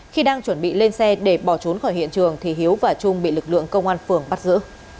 khi đang chuẩn bị lên xe để bỏ trốn khỏi hiện trường thì hiếu và trung bị lực lượng công an phường bắt giữ